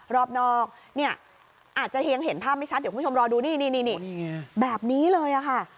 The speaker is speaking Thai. รอบนอกเนี่ยอาจจะยังเห็นภาพไม่ชัดเดี๋ยวคุณผู้ชมรอดูนี่แบบนี้เลยค่ะ